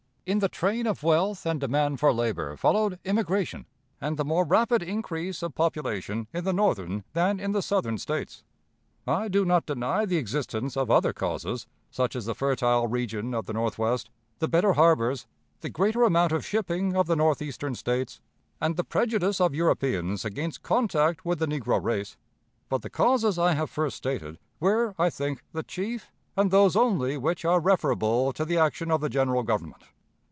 In the train of wealth and demand for labor followed immigration and the more rapid increase of population in the Northern than in the Southern States. I do not deny the existence of other causes, such as the fertile region of the Northwest, the better harbors, the greater amount of shipping of the Northeastern States, and the prejudice of Europeans against contact with the negro race; but the causes I have first stated were, I think, the chief, and those only which are referable to the action of the General Government.